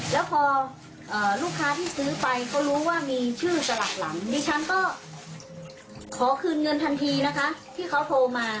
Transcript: แล้วพอลูกค้าที่ซื้อไปเขารู้ว่ามีชื่อสลักหลังดิฉันก็ขอคืนเงินทันทีนะคะที่เขาโทรมา